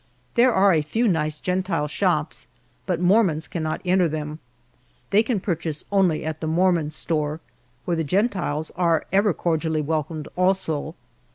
There are a few nice gentile shops, but mormons cannot enter them; they can purchase only at the mormon store, where the gentiles are ever cordially welcomed also.